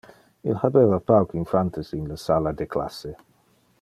Il habeva pauc infantes in le sala de classe.